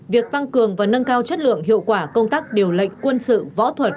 việc tăng cường và nâng cao chất lượng hiệu quả công tác điều lệnh quân sự võ thuật